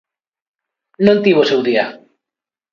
Non tivo o seu día.